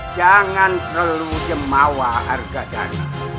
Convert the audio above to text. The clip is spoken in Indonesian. jangan terlalu jemawa argadar